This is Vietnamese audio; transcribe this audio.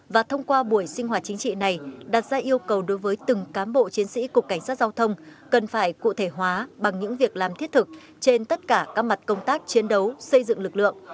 và thông qua buổi sinh hoạt chính trị này đặt ra yêu cầu đối với từng cám bộ chiến sĩ cục cảnh sát giao thông cần phải cụ thể hóa bằng những việc làm thiết thực trên tất cả các mặt công tác chiến đấu xây dựng lực lượng